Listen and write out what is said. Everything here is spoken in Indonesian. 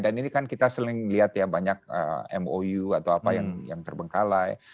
dan ini kan kita seling lihat ya banyak mou atau apa yang terbengkalai